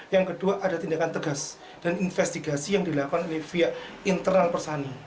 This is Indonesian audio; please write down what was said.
yang kedua ada tindakan tegas dan investigasi yang dilakukan oleh pihak internal persani